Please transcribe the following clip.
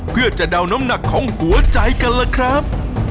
เพื่อจะเดาน้ำหนักของหัวใจกันล่ะครับ